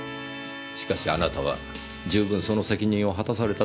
しかしあなたは十分その責任を果たされたと思いますよ。